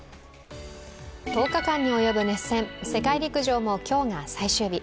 １０日間に及ぶ熱戦世界陸上も今日が最終日。